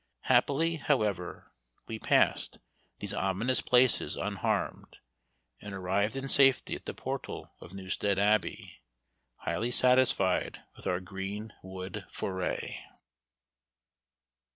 Happily, however, we passed these ominous places unharmed, and arrived in safety at the portal of Newstead Abbey, highly satisfied with our green wood foray.